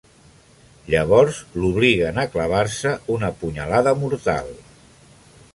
Llavors, l'obliguen a clavar-se una punyalada mortal.